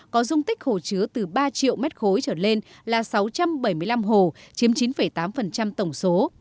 có dung tích hồ chứa từ ba triệu m ba trở lên là sáu trăm bảy mươi năm hồ